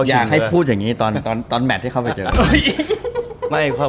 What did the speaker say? อยากให้พูดอย่างนี้ตอนแมทที่เข้าไปเจอ